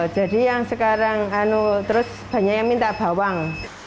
jadi yang sekarang terus banyak yang minta bawang